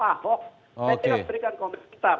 saya tidak berikan komentar